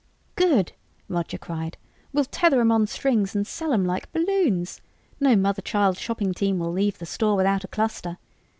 "Good!" Roger cried. "We'll tether 'em on strings and sell 'em like balloons. No mother child shopping team will leave the store without a cluster.